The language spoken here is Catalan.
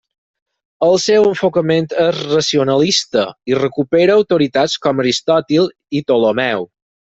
El seu enfocament és racionalista i recupera autoritats com Aristòtil i Ptolemeu.